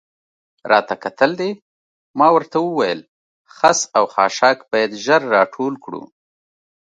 راته کتل دې؟ ما ورته وویل: خس او خاشاک باید ژر را ټول کړو.